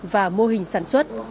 và mô hình sản xuất